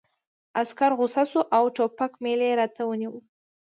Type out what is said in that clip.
عسکر غوسه شو او د ټوپک میل یې راته ونیو